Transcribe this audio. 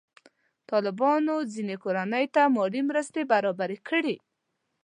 طالبانو ځینې کورنۍ ته مالي مرستې برابرې کړي.